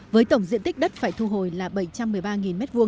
với tổng diện tích đất phải thu hồi là bảy trăm một mươi ba m hai